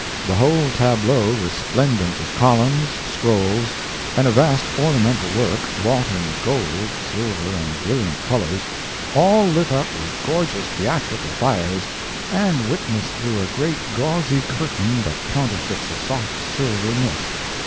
The whole tableau resplendent with columns, scrolls, and a vast ornamental work, wrought in gold, silver and brilliant colors—all lit up with gorgeous theatrical fires, and witnessed through a great gauzy curtain that counterfeits a soft silver mist!